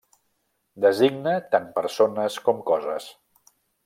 Designa tant persones com coses.